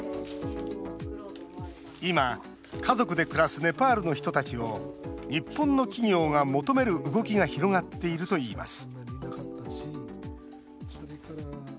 今、家族で暮らすネパールの人たちを日本の企業が求める動きが広がっているといいます